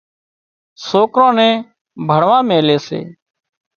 سوڪران نين ڀڻوا ميلي سي